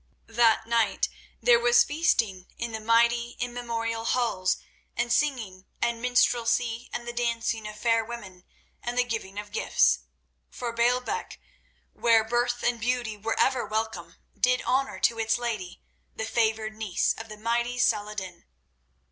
That night there was feasting in the mighty, immemorial halls, and singing and minstrelsy and the dancing of fair women and the giving of gifts. For Baalbec, where birth and beauty were ever welcome, did honour to its lady, the favoured niece of the mighty Salah ed din.